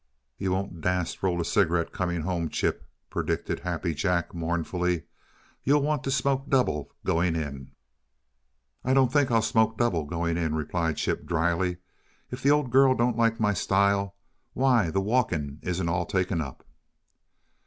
"You won't dast t' roll a cigarette comin' home, Chip," predicted Happy Jack, mournfully. "Yuh want t' smoke double goin' in." "I don't THINK I'll smoke double going in," returned Chip, dryly. "If the old girl don't like my style, why the walking isn't all taken up."